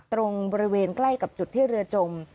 ตรงบริเวณใกล้กับจุดที่เรือจม